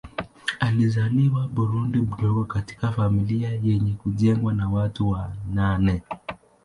Alizaliwa Burundi mdogo katika familia yenye kujengwa na watu wa nane.